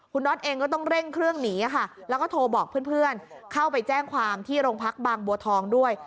คุณน็อตเองก็ต้องเร่งเครื่องหนีค่ะแล้วก็โทรบอกเพื่อนเข้าไปแจ้งความที่โรงพักบางบัวทองด้วย